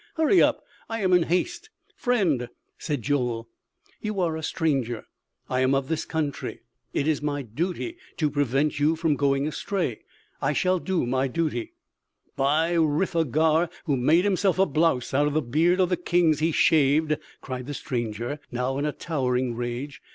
Hurry up; I am in haste " "Friend," said Joel, "you are a stranger; I am of this country; it is my duty to prevent you from going astray.... I shall do my duty " "By Ritha Gaür, who made himself a blouse out of the beard of the kings he shaved!" cried the stranger, now in towering rage.